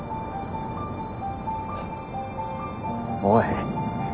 おい。